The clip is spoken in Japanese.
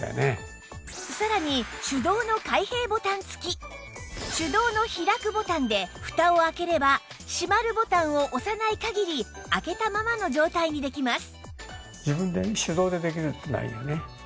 そしてさらに手動の開くボタンでフタを開ければ閉まるボタンを押さない限り開けたままの状態にできます